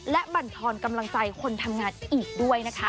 และบรรทอนกำลังใจคนทำงานอีกด้วยนะคะ